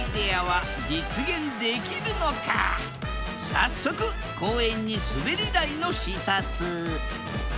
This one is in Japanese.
早速公園にすべり台の視察。